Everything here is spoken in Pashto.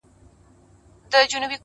د الماسو یو غمی یې وو ورکړی،